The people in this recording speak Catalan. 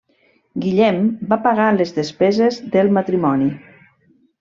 Guillem va pagar les despeses del matrimoni.